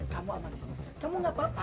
kamu aman disini kamu gak apa apa